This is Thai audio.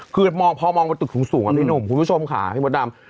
คือพอมองบนตึกสูงอะพี่หนุ่มคุณผู้ชมค่ะพี่มดดำ